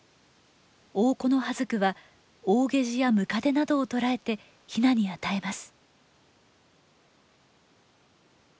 オオコノハズクはオオゲジやムカデなどを捕らえてヒナに与えます。